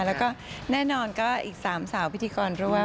แล้วก็แน่นอนก็อีก๓สาวพิธีกรรู้ว่า